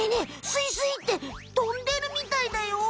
スイスイってとんでるみたいだよ！